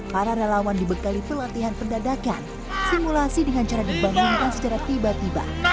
para relawan dibekali pelatihan pendadakan simulasi dengan cara dibangunkan secara tiba tiba